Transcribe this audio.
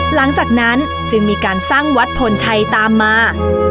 หลังจากนั้นจึงมีการสร้างวัดพลชัยตามมา